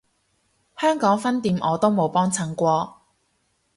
香港分店我都冇幫襯過